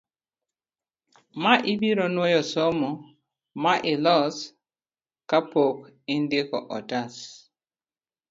ma ibiro nwoyo somo ma ilos ka pok indiko otas